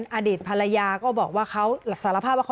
ไม่รู้จริงว่าเกิดอะไรขึ้น